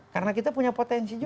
karena kita punya potensi juga